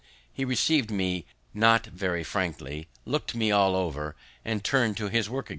He receiv'd me not very frankly, look'd me all over, and turn'd to his work again.